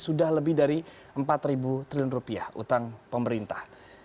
sudah lebih dari empat triliun rupiah utang pemerintah